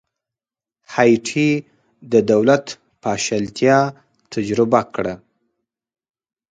هایټي د دولت پاشلتیا تجربه کړې.